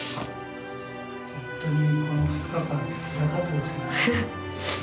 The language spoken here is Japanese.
本当にこの２日間つらかったですね。